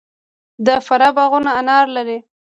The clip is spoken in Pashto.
د فراه باغونه انار لري.